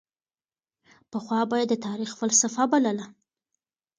پخوا به یې د تاریخ فلسفه بلله.